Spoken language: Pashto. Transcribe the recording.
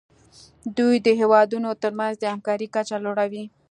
دوی د هیوادونو ترمنځ د همکارۍ کچه لوړوي